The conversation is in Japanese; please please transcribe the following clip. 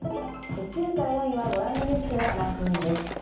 ９位から４位はご覧のニュースがランクイン。